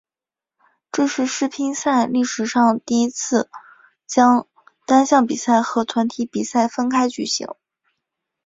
这是世乒赛历史上第一次将单项比赛和团体比赛分开举行。